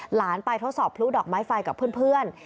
หลานไปทดสอบพลุดอกไม้ไฟกับเพื่อน